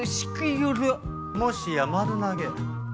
もしや丸投げ。